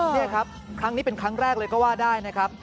นี่ครับครั้งนี้เป็นครั้งแรกเลยก็ว่าได้นะครับ